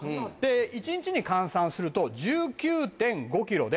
１日に換算すると１９．５キロで。